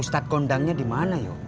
ustadz kondangnya dimana yo